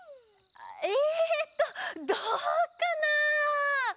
えっとどうかな？